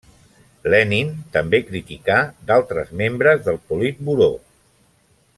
Lenin també criticà d'altres membres del Politburó.